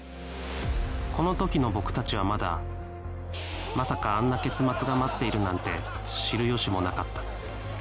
この時の僕たちはまだまさかあんな結末が待っているなんて知る由もなかった